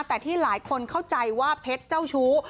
แต่ที่หลายคนเข้าใจว่าเพชรเจ้าชู้